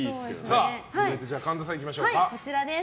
さあ、続いて神田さんいきましょうか。